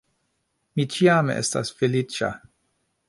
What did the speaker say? Mi ĉiam estas feliĉa